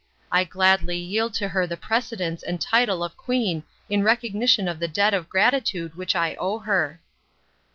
I gladly yield to her the precedence and title of Queen in recognition of the debt of gratitude which I owe her."